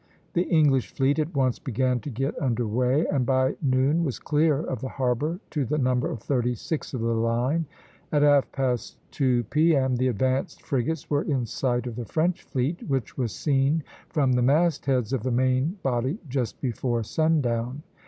The English fleet at once began to get under way, and by noon was clear of the harbor to the number of thirty six of the line. At half past two P.M. the advanced frigates were in sight of the French fleet, which was seen from the mastheads of the main body just before sundown.